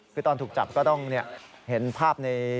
คือตอนถูกจับก็ต้องเห็นภาพใน